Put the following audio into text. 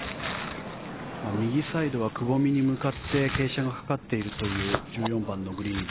右サイドはくぼみに向かって傾斜がかかっているという１４番のグリーン。